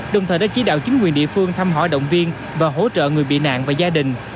đồng thời đã chỉ đạo chính quyền địa phương thăm hỏi động viên và hỗ trợ người bị nạn và gia đình